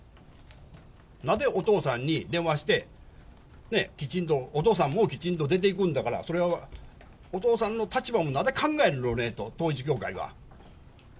なぜお父さんに電話して、きちんとお父さん、もうきちんと出ていくんだから、それはお父さんの立場もなぜ考えんと、統一教会は。